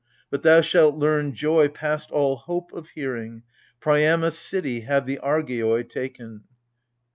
But thou shalt learn joy past all hope of hearing. Priamos' city have the Argeioi taken.